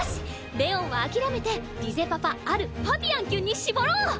レオンは諦めてリゼパパアルファビアンきゅんに絞ろう。